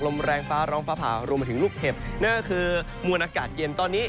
แรงฟ้าร้องฟ้าผ่ารวมไปถึงลูกเห็บนั่นก็คือมวลอากาศเย็นตอนนี้